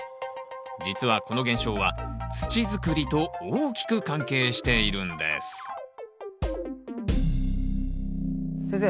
実はこの現象は土づくりと大きく関係しているんです先生